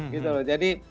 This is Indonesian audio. gitu loh jadi